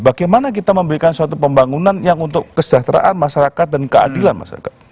bagaimana kita memberikan suatu pembangunan yang untuk kesejahteraan masyarakat dan keadilan masyarakat